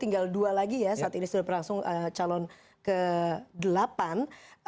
tinggal dua lagi ya saat ini sudah berlangsung calon ke delapan